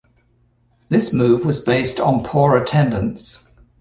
This move was based on poor attendance.